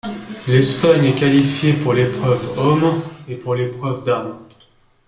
L'Espagne a un qualifié pour l'épreuve hommes et une pour l'épreuve dames.